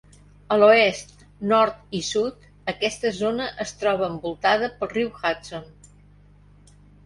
A l'oest, nord i sud, aquesta zona es troba envoltada pel riu Hudson.